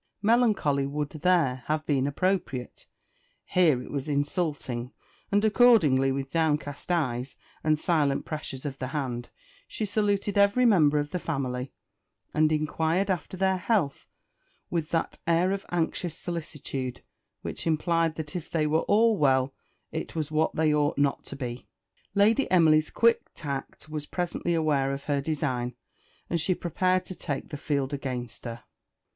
Melancholy would there have been appropriate, here it was insulting; and accordingly, with downcast eyes, and silent pressures of the hand, she saluted every member of the family, and inquired after their healths with that air of anxious solicitude which implied that if they were all well it was what they ought not to be. Lady Emily's quick tact was presently aware of her design, and she prepared to take the field against her.